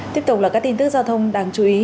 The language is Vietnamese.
tiếp tục là các tin tức giao thông đáng chú ý